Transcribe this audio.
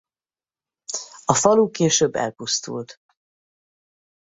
A falu később elpusztult.